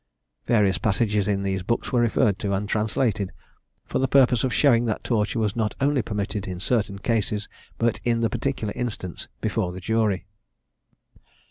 Various passages in these books were referred to, and translated, for the purpose of showing that torture was not only permitted in certain cases, but in the particular instance before the jury.